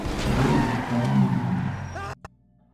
Я и зеркал не вижу.